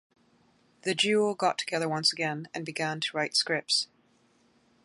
The duo got together once again, and began to write scripts.